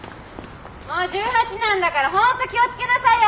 もう１８なんだから本当気を付けなさいよ！